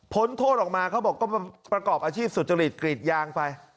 โทษออกมาเขาบอกก็ประกอบอาชีพสุจริตกรีดยางไป